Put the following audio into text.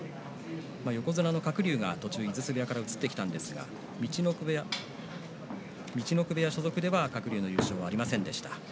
横綱の鶴竜が途中、井筒部屋から移ってきましたが陸奥部屋所属では鶴竜の優勝はありませんでした。